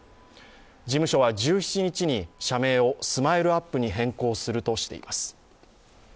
事務所は１７日に社名をＳＭＩＬＥ−ＵＰ．に変更するとしています。